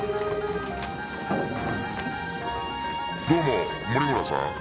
「どうも森村さん？